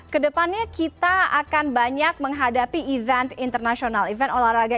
kedepannya kita akan banyak menghadapi event internasional event olahraga